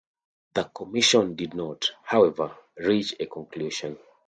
The commission did not, however, reach a conclusion.